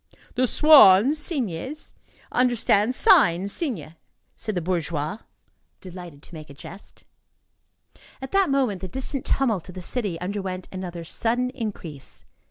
"The swans [cygnes] understand signs [signes]," said the bourgeois, delighted to make a jest. At that moment, the distant tumult of the city underwent another sudden increase.